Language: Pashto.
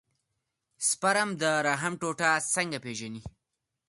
سپرم د رحم ټوټه څنګه پېژني.